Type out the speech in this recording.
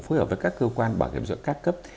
phối hợp với các cơ quan bảo hiểm số các cấp